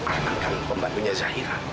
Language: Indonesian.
arman kan pembandunya zahira